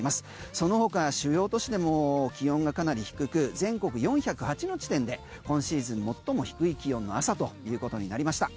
そのほか、主要都市でも気温がかなり低く全国４０８の地点で今シーズン最も低い気温の朝ということになりました。